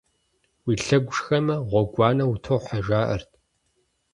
Уи лъэгу шхэмэ, гъуэгуанэ утохьэ жаӀэрт.